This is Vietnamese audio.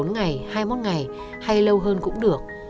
bốn ngày hai mươi một ngày hay lâu hơn cũng được